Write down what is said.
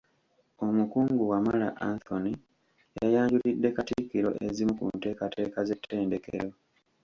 Omukungu Wamala Anthony yayanjulidde Katikkiro ezimu ku nteekateeka z’ettendekero.